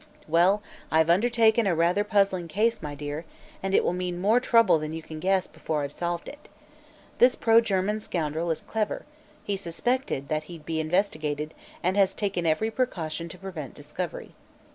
"Well, I've undertaken a rather puzzling case, my dear, and it will mean more trouble than you can guess, before I've solved it. This pro German scoundrel is clever; he suspected that he'd be investigated and has taken every precaution to prevent discovery.